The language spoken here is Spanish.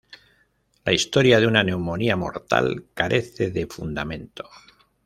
La historia de una neumonía mortal carece de fundamento.